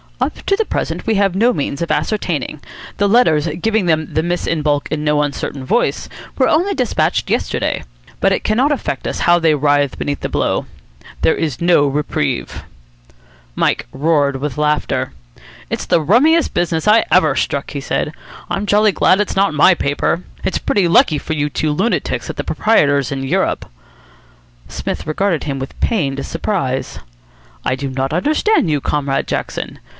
"Up to the present we have no means of ascertaining. The letters giving them the miss in baulk in no uncertain voice were only despatched yesterday. But it cannot affect us how they writhe beneath the blow. There is no reprieve." Mike roared with laughter. "It's the rummiest business I ever struck," he said. "I'm jolly glad it's not my paper. It's pretty lucky for you two lunatics that the proprietor's in Europe." Psmith regarded him with pained surprise. "I do not understand you, Comrade Jackson.